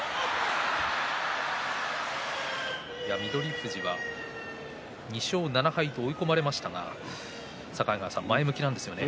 翠富士は２勝７敗と追い込まれましたが境川さん、前向きなんですね。